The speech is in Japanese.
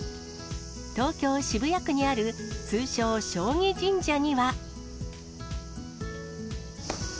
東京・渋谷区にある通称、将棋神社には。